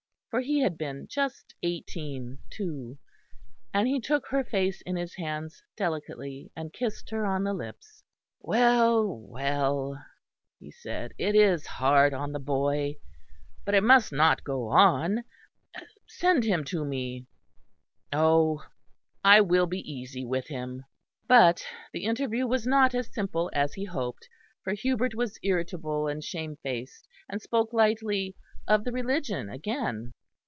For he had been just eighteen, too. And he took her face in his hands delicately, and kissed her on the lips. "Well, well," he said, "it is hard on the boy; but it must not go on. Send him to me. Oh! I will be easy with him." But the interview was not as simple as he hoped; for Hubert was irritable and shamefaced; and spoke lightly of the Religion again.